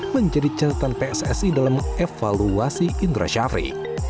menjadi catatan pssi dalam mengevaluasi indra syafri